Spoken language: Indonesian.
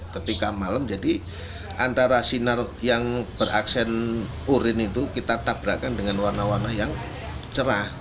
ketika malam jadi antara sinar yang beraksen urin itu kita tabrakan dengan warna warna yang cerah